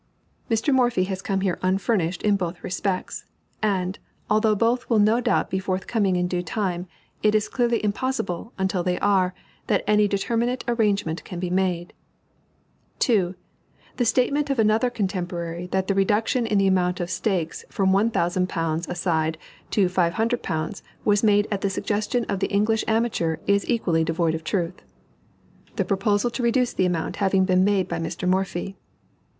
Mr. Morphy has come here unfurnished in both respects; and, although both will no doubt be forthcoming in due time, it is clearly impossible, until they are, that any determinate arrangement can be made. 2. The statement of another contemporary that the reduction in the amount of stakes from £1000 aside to £500 was made at the suggestion of the English amateur is equally devoid of truth; the proposal to reduce the amount having been made by Mr. Morphy.